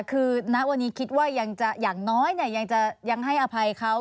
คือณวันนี้คิดว่าอย่างน้อยยังจะยังให้อภัยเขา